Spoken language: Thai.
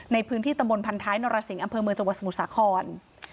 ในพื้นที่ตำบลพันท้ายนรสิงห์อำเภอเมืองจังหวัดสมุทรสาคร